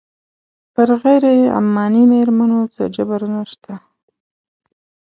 پر غیر عماني مېرمنو څه جبر نه شته.